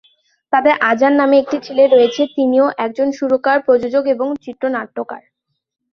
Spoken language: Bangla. তাদের আজান নামে একটি ছেলে রয়েছে; তিনিও একজন সুরকার, প্রযোজক এবং চিত্রনাট্যকার।